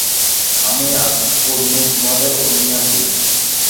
আমি উর্মি, তোমাদের উর্মি আন্টি।